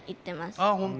ああ本当。